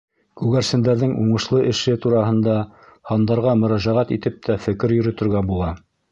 Күгәрсендәрҙең уңышлы эше тураһында һандарға мөрәжәғәт итеп тә фекер йөрөтөргә була.